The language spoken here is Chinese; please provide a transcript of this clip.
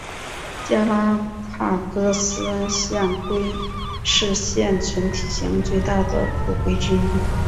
加拉帕戈斯象龟是现存体型最大的陆龟之一。